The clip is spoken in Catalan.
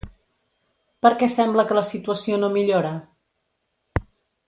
Per què sembla que la situació no millora?